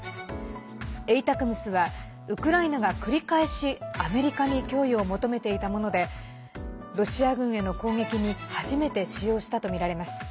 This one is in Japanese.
ＡＴＡＣＭＳはウクライナが繰り返しアメリカに供与を求めていたものでロシア軍への攻撃に初めて使用したとみられます。